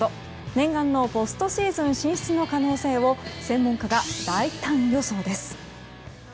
念願のポストシーズン進出の可能性を専門家が大胆予想です。